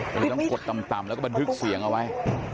ต้องกดต่ำแล้วมาดึกเสียงเอาไว้